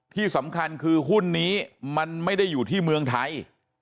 ที่สำคัญคือหุ้นนี้มันไม่ได้อยู่ที่เมืองไทย